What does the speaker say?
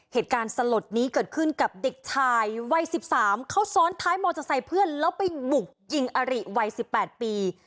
เหตุการณ์สลดนี้เกิดขึ้นกับเด็กชายวัยสิบสามเขาซ้อนท้ายมอเจอใส่เพื่อนแล้วไปหมุกยิงอริวัยสิบแปดปี